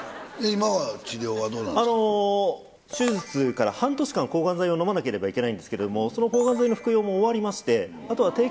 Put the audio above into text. あの手術から半年間抗がん剤を飲まなければいけないんですけれどもその抗がん剤の服用も終わりまして。